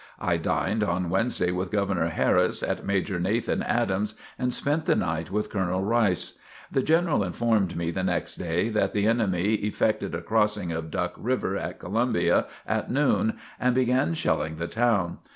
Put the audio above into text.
I dined on Wednesday with Governor Harris, at Major Nathan Adams' and spent the night with Colonel Rice. The General informed me the next day that the enemy effected a crossing of Duck River at Columbia at noon, and began shelling the town.